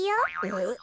えっ？